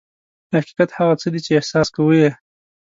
حقیقت هغه څه دي چې احساس کوو یې.